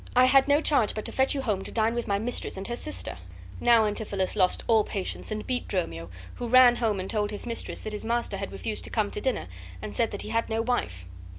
I had no charge but to fetch you home to dine with my mistress and her sister." Now Antipholus lost all patience, and beat Dromio, who ran home and told his mistress that his master had refused to come to dinner and said that he had no wife.